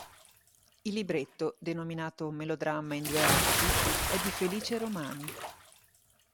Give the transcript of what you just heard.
Il libretto, denominato Melodramma in due atti è di Felice Romani.